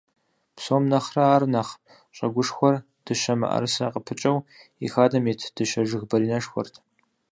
Псом нэхърэ ар нэхъ щӀэгушхуэр дыщэ мыӀэрысэ къыпыкӀэу и хадэм ит дыщэ жыг баринэшхуэрт.